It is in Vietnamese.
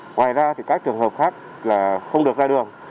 ngoài ra thì các trường hợp khác là không được ra đường